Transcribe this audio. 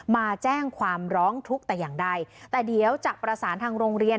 มาแจ้งความร้องทุกข์แต่อย่างใดแต่เดี๋ยวจะประสานทางโรงเรียน